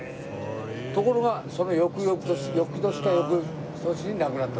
ところがその翌々年翌年か翌々年に亡くなったんですよ。